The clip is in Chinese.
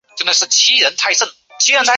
头颅骨很短及高。